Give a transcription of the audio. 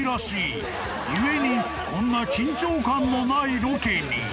［故にこんな緊張感のないロケに］